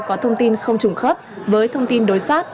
có thông tin không trùng khớp với thông tin đối soát